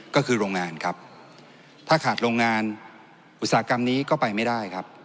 ก็คือโรงงานครับถ้าขาดโรงงานอุตสาหกรรมนี้ก็ไปไม่ได้ครับ